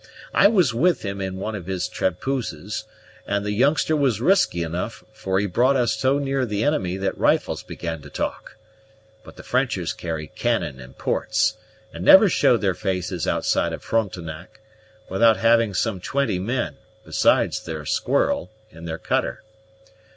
I was with him in one of his trampooses, and the youngster was risky enough, for he brought us so near the enemy that rifles began to talk; but the Frenchers carry cannon and ports, and never show their faces outside of Frontenac, without having some twenty men, besides their Squirrel, in their cutter.